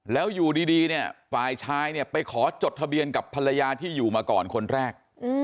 แล้วอยู่ดีเนี่ยฝ่ายชายเนี่ยไปขอจดทะเบียนกับภรรยาที่อยู่มาก่อนคนแรก